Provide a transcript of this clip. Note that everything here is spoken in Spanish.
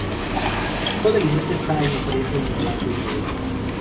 Todo el libreto esta impreso en blanco y negro.